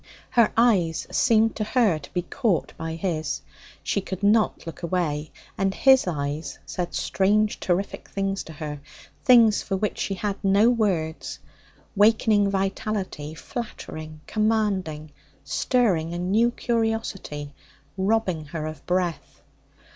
Her eyes seemed to her to be caught by his. She could not look away. And his eyes said strange, terrific things to her, things for which she had no words, wakening vitality, flattering, commanding, stirring a new curiosity, robbing her of breath.